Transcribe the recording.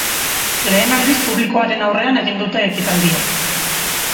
Lehen aldiz publikoaren aurrean egin dute ekitaldia.